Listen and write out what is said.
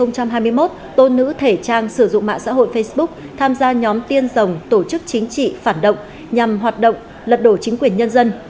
năm hai nghìn hai mươi một tôn nữ thể trang sử dụng mạng xã hội facebook tham gia nhóm tiên dòng tổ chức chính trị phản động nhằm hoạt động lật đổ chính quyền nhân dân